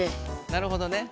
なるほどね。